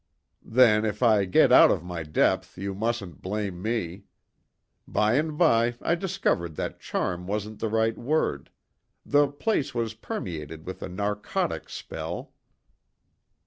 "Then if I get out of my depth you mustn't blame me. By and by I discovered that charm wasn't the right word the place was permeated with a narcotic spell."